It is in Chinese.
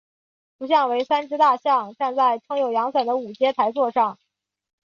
图像为三只大象站在撑有阳伞的五阶台座上。